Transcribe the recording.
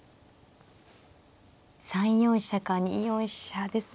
３四飛車か２四飛車ですが。